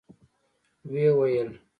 ويې ويل: